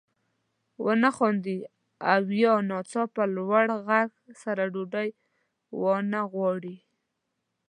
ونه خاندي او یا ناڅاپه لوړ غږ سره ډوډۍ وانه غواړي.